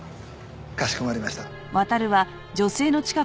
かしこまりました。